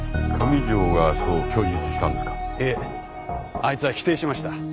あいつは否定しました。